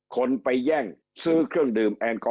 คนไปแย่งซื้อเครื่องดื่ม